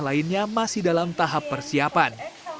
lainnya masih dalam tahap persiapan